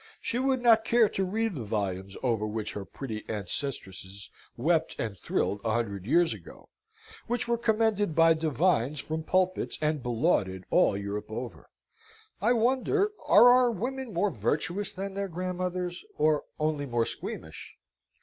She would not care to read the volumes, over which her pretty ancestresses wept and thrilled a hundred years ago; which were commended by divines from pulpits and belauded all Europe over. I wonder, are our women more virtuous than their grandmothers, or only more squeamish?